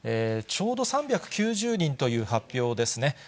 ちょうど３９０人という発表ですね。